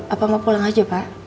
apa mau pulang aja pak